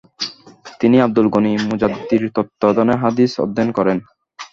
তিনি আবদুল গণি মুজাদ্দিদির তত্ত্বাবধানে হাদিস অধ্যয়ন করেন।